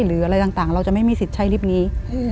หรืออะไรต่างเราจะไม่มีสิทธิ์ใช้ลิฟต์นี้